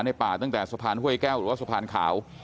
ป่าตั้งแต่สะพานห้วยแก้วหรือว่าสะพานขาว